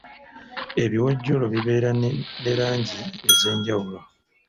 Ebiwojjolo bibeera ne langi ez'enjawulo.